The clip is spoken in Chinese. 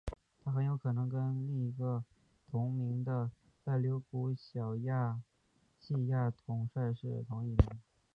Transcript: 他很有可能跟另一位同名的塞琉古小亚细亚统帅是同一人。